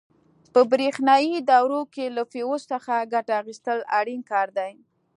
په برېښنایي دورو کې له فیوز څخه ګټه اخیستل اړین کار دی.